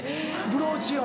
ブローチを。